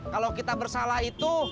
kalau kita bersalah itu